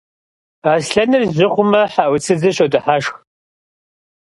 Aslhenır jı xhume he'utsıdzır şodıheşşx.